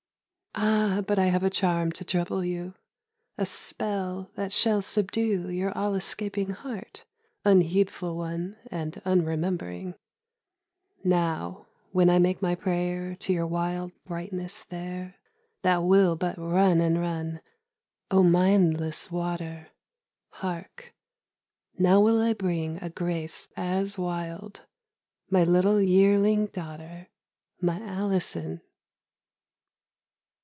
Ah, but I have a charm to trouble you; A spell that shall subdue Your all escaping heart, unheedful one And unremembering! Now, when I make my prayer To your wild brightness there That will but run and run, O mindless Water! Hark, now will I bring A grace as wild, my little yearling daughter, My Alison.